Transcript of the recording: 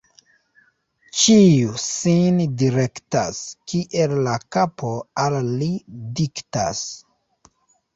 Ĉiu sin direktas, kiel la kapo al li diktas.